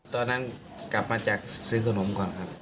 ตอนนั้นกลับมาจากซื้อขนมก่อนครับ